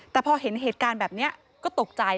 แต่พอเห็นเหตุการณ์แบบนี้ก็ตกใจ